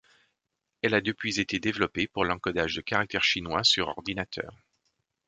Elle a depuis été développée pour l'encodage de caractères chinois sur ordinateurs.